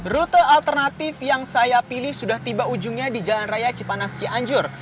rute alternatif yang saya pilih sudah tiba ujungnya di jalan raya cipanas cianjur